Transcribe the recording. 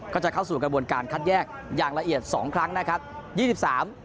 ก็จะเข้าสู่กันบนการคัดแยกอย่างละเอียด๒ครั้งนะครับ